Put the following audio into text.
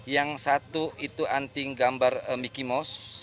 yang satu itu anting gambar mickey mouse